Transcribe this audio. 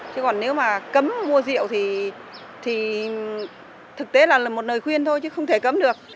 chứ còn nếu mà cấm mua rượu thì thực tế là một lời khuyên thôi chứ không thể cấm được